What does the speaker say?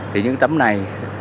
thì những cái tấm này